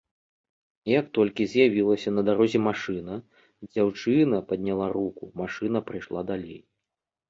Як толькі з'явілася на дарозе машына, дзяўчына падняла руку, машына прайшла далей.